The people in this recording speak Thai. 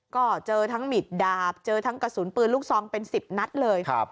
ก็เจอทั้งหมิดดาบเจอทั้งกระสุนปืนลูกซองเป็น๑๐นัดเลย